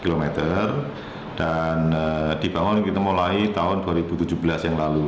dua puluh km dan dibangun kita mulai tahun dua ribu tujuh belas yang lalu